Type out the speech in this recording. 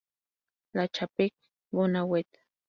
La Chapelle-Gonaguet